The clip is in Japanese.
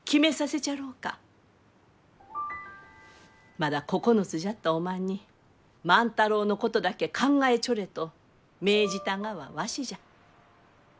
まだ９つじゃったおまんに万太郎のことだけ考えちょれと命じたがはわしじゃ。